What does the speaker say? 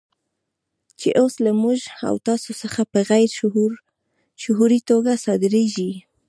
چې اوس له موږ او تاسو څخه په غیر شعوري توګه صادرېږي.